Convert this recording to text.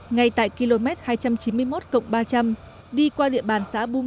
ngay tại km hai trăm chín mươi một ba trăm linh đi qua địa bàn xã bung